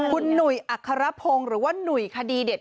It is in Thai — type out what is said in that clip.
คุณหนุ่ยอัครพงศ์หรือว่าหนุ่ยคดีเด็ด